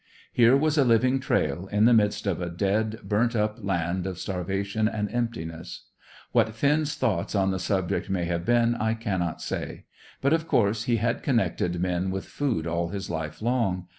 Here was a living trail, in the midst of a dead, burnt up land of starvation and emptiness. What Finn's thoughts on the subject may have been I cannot say. But, of course, he had connected men with food all his life long.